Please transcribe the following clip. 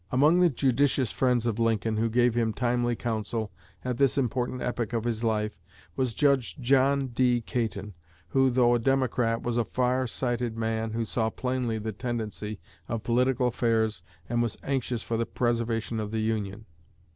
Among the judicious friends of Lincoln who gave him timely counsel at this important epoch of his life was Judge John D. Caton, who, though a Democrat, was a far sighted man who saw plainly the tendency of political affairs and was anxious for the preservation of the Union.